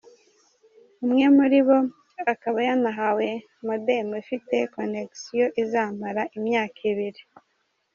Umwe muri bo akaba yanahawe ‘modem’ ifite connection izamara imyaka ibiri.